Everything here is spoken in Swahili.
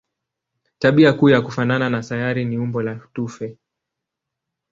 Tabia kuu ya kufanana na sayari ni umbo la tufe.